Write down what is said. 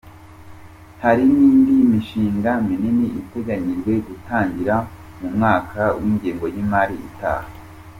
Hari n’indi mishinga minini iteganyijwe gutangira mu mwaka w’ingengo y’imari itaha.